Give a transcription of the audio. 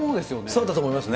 そうだと思いますね。